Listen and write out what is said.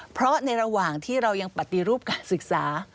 เพราะในระหว่างที่เรายังปฏิรูปการศึกษา